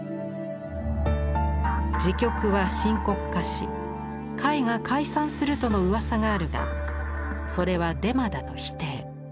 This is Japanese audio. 時局は深刻化し会が解散するとのうわさがあるがそれはデマだと否定。